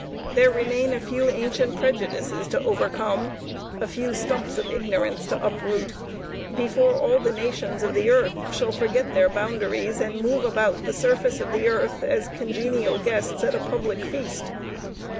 There remain a few ancient prejudices to overcome, a few stumps of ignorance to uproot, before all the nations of the earth shall forget their boundaries, and move about the surface of the earth as congenial guests at a public feast.